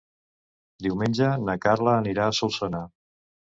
Diumenge na Carla anirà a Solsona.